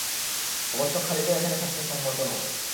অবশ্য খালিদও এখানে থাকতে সম্মত নন।